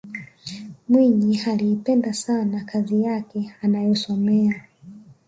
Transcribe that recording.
mwinyi aliipenda sana kazi yake anayosomea